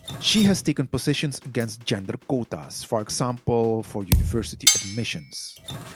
She has taken positions against gender quotas, e.g., for university admissions.